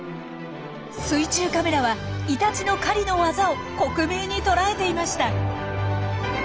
水中カメラはイタチの狩りの技を克明に捉えていました。